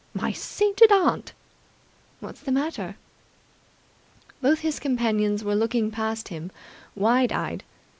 "My sainted aunt!" "What's the matter?" Both his companions were looking past him, wide eyed.